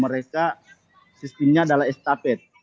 mereka sistemnya adalah estafet